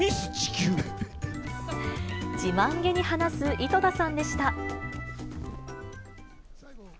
自慢げに話す井戸田さんでした。